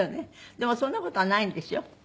でもそんな事はないんですよ。